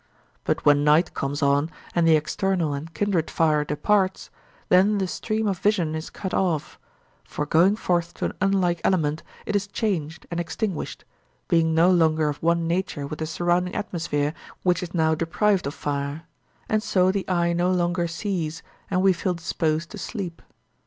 But when night comes on and the external and kindred fire departs, then the stream of vision is cut off; for going forth to an unlike element it is changed and extinguished, being no longer of one nature with the surrounding atmosphere which is now deprived of fire: and so the eye no longer sees, and we feel disposed to sleep.